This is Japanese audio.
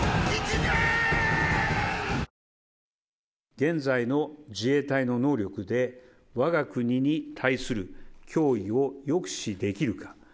現在の自衛隊の能力で、わが国に対する脅威を抑止できるか。